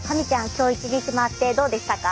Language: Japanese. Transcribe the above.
今日１日回ってどうでしたか？